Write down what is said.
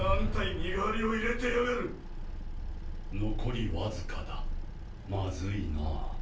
残りわずかだまずいな。